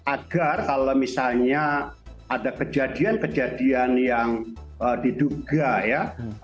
agar kalau misalnya ada kejadian kejadian yang diduga ya